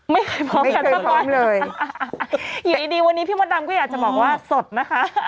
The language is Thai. ไม่เคยบอกกันสักวันเลยอยู่ดีวันนี้พี่มดดำก็อยากจะบอกว่าสดนะคะ